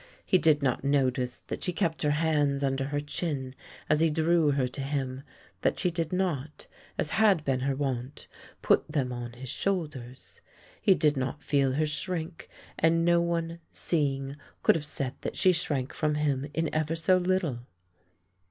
He did not notice that she kept her hands under her chin as he drew her to him, that she did not, as had been her wont, put them on his shoulders. He did not feel her shrink, and no one, seeing, could have said that she shrank from him in ever so little.